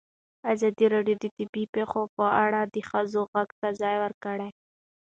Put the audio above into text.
ازادي راډیو د طبیعي پېښې په اړه د ښځو غږ ته ځای ورکړی.